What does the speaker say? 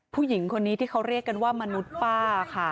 ผู้หญิงคนนี้ที่เขาเรียกกันว่ามนุษย์ป้าค่ะ